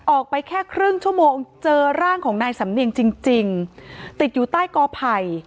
ออกไปแค่ครึ่งชั่วโมงเจอร่างของนายสำเนียงจริงจริงติดอยู่ใต้กอไผ่